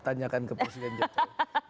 tanyakan ke posisi jokowi